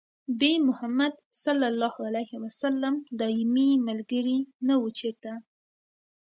بې محمده ص دايمي ملګري نه وو چېرته